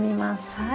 はい。